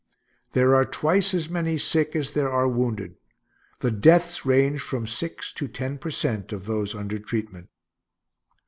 There are twice as many sick as there are wounded. The deaths range from six to ten per cent of those under treatment.